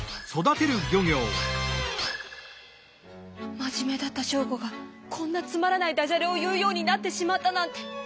まじめだったショーゴがこんなつまらないダジャレを言うようになってしまったなんて。